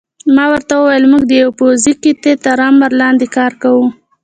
ما ورته وویل: موږ د یوې پوځي قطعې تر امر لاندې کار کوو.